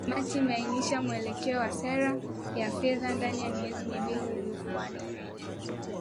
kamati inaainisha mwelekeo wa sera ya fedha ndani ya miezi miwili inayofuata